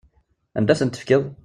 Anda i tent-tefkiḍ?